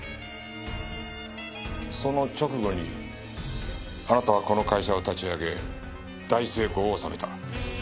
その直後にあなたはこの会社を立ち上げ大成功を収めた。